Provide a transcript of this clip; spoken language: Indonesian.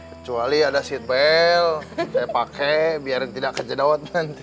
kecuali ada seatbelt saya pakai biarin tidak kejedawat nanti